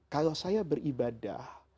kalau saya beribadah